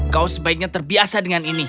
kau sebaiknya terbiasa dengan ini